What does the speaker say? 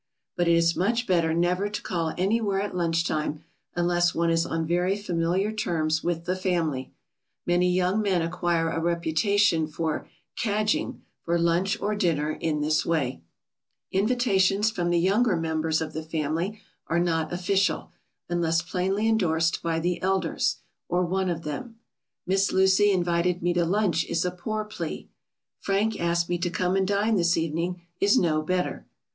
But it is much better never to call anywhere at lunch time unless one is on very familiar terms with the family. Many young men acquire a reputation for "cadging" for lunch or dinner in this way. [Sidenote: Invitations from young members of the family.] Invitations from the younger members of the family are not official, unless plainly endorsed by the elders, or one of them. "Miss Lucy invited me to lunch" is a poor plea. "Frank asked me to come and dine this evening," is no better.